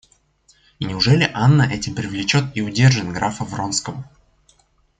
И неужели Анна этим привлечет и удержит графа Вронского?